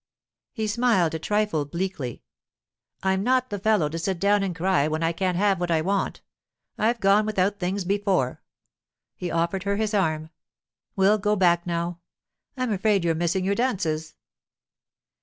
He smiled a trifle bleakly. 'I'm not the fellow to sit down and cry when I can't have what I want. I've gone without things before.' He offered her his arm. 'We'll go back now; I'm afraid you're missing your dances.